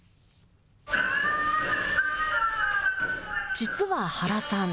実は原さん